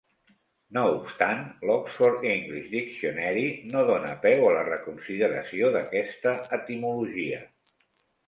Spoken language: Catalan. No obstant, "l'Oxford English Dictionary" no dona peu a la reconsideració d'aquesta etimologia.